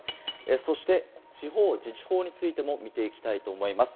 そして地方自治法についても見ていきます。